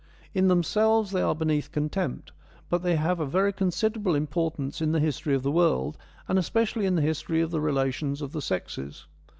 In themselves they are beneath contempt, but they have a very considerable importance in the history of the world, and especially in the history of the relations of the sexes.